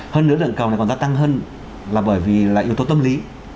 hơn nữa lượng cầu này còn gia tăng hơn là bởi vì là yếu tố tâm lý